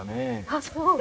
あっそう。